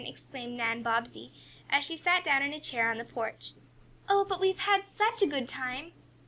exclaimed Nan Bobbsey, as she sat down in a chair on the porch. "Oh, but we have had such a good time!"